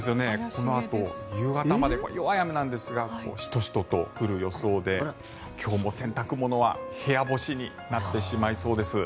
このあと夕方まで弱い雨なんですがシトシトと降る予想で今日も洗濯物は部屋干しになってしまいそうです。